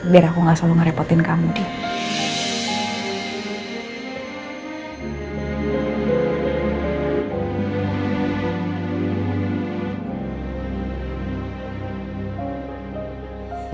biar aku gak selalu ngerepotin kamu deh